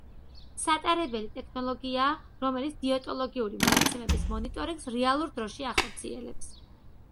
სატარებელი ტექნოლოგიაა, რომელიც დიეტოლოგიური მონაცემების მონიტორინგს რეალურ დროში ახორციელებს.